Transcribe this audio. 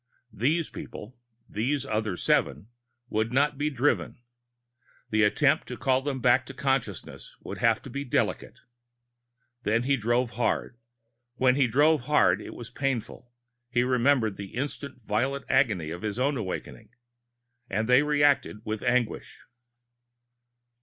These people, these other seven, would not be driven. The attempt to call them back to consciousness would have to be delicate. When he drove hard, it was painful he remembered the instant violent agony of his own awakening and they reacted with anguish.